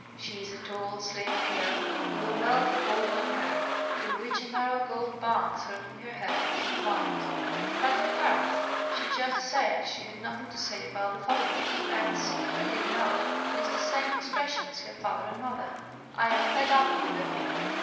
She is a tall, slim girl, with a wealth of auburn hair, through which a narrow gold band, circling her head, was entwined. Like her parents, she just said she had nothing to say about the photographs, and, singularly enough, used the same expres sion as her father and mother — "I am ^fed up' with the thing."